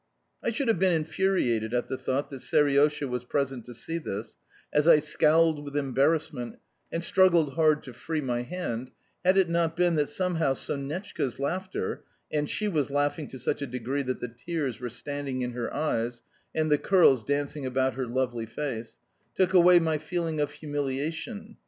I should have been infuriated at the thought that Seriosha was present to see this, as I scowled with embarrassment and struggled hard to free my hand, had it not been that somehow Sonetchka's laughter (and she was laughing to such a degree that the tears were standing in her eyes and the curls dancing about her lovely face) took away my feeling of humiliation.